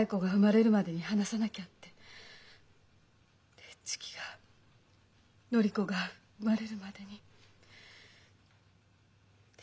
で次が法子が生まれるまでにって。